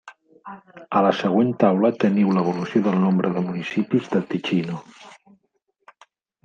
A la següent taula teniu l'evolució del nombre de municipis de Ticino.